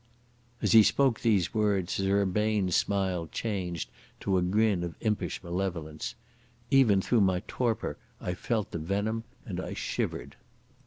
As he spoke these words, his urbane smile changed to a grin of impish malevolence. Even through my torpor I felt the venom and I shivered.